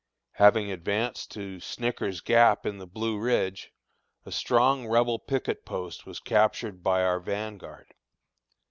Having advanced to Snicker's Gap in the Blue Ridge, a strong Rebel picket post was captured by our vanguard.